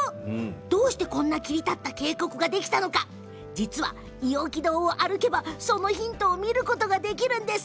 どうしてこんな切り立った渓谷ができたのか実は伊尾木洞を歩けばそのヒントを見ることができるんです。